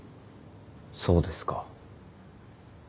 そうですか。